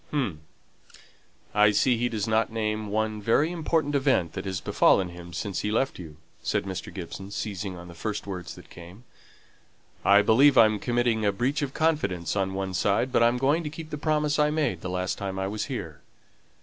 "Hum! I see he doesn't name one very important event that has befallen him since he left you," said Mr. Gibson, seizing on the first words that came. "I believe I'm committing a breach of confidence on one side; but I'm going to keep the promise I made the last time I was here.